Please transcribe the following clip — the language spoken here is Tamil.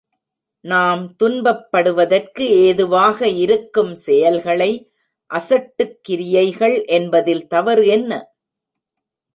நாம் துன்பப்படுவதற்கு ஏதுவாக இருக்கும் செயல்களை அசட்டுக் கிரியைகள் என்பதில் தவறு என்ன?